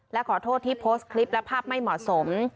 และขอโทษที่โพสต์คลิปและภาพไม่เหมาะสม